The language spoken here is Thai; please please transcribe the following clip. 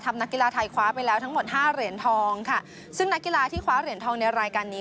นักกีฬาไทยคว้าไปแล้วทั้งหมดห้าเหรียญทองค่ะซึ่งนักกีฬาที่คว้าเหรียญทองในรายการนี้